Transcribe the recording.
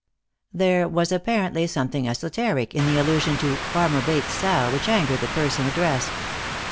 There was apparently something esoteric in the allusion to "Fanner Bates' sow" which angered the person addressed.